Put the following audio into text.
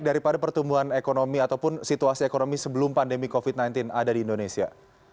daripada pertumbuhan ekonomi ataupun situasi ekonomi sebelum pandemi covid sembilan belas ada di indonesia